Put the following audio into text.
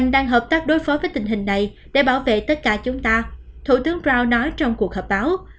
đối phó với tình hình này để bảo vệ tất cả chúng ta thủ tướng brown nói trong cuộc họp báo